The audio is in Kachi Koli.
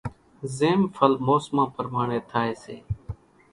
زيم ڦل موسمان پرماڻي ٿائي سي۔